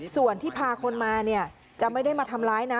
ส่วนที่พาคนมาเนี่ยจะไม่ได้มาทำร้ายนะ